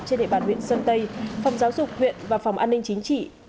trên địa bàn huyện sơn tây phòng giáo dục huyện và phòng an ninh chính trị